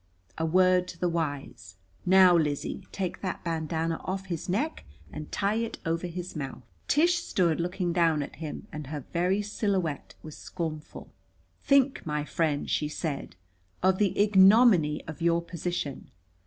A word to the wise. Now, Lizzie, take that bandanna off his neck and tie it over his mouth." Tish stood, looking down at him, and her very silhouette was scornful. "Think, my friend," she said, "of the ignominy of your position!